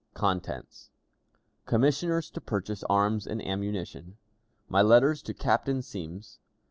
CHAPTER III. Commissioners to purchase Arms and Ammunition. My Letter to Captain Semmes.